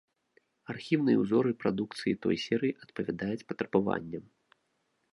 Архіўныя ўзоры прадукцыі той серыі адпавядаюць патрабаванням.